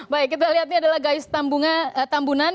baik kita lihat ini adalah gais tambunan